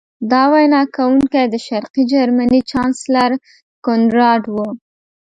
دا وینا کوونکی د شرقي جرمني چانسلر کونراډ و